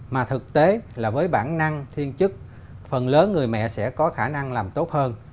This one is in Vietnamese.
mà thực tế là với bản năng thiên chức phần lớn người mẹ sẽ có khả năng làm tốt hơn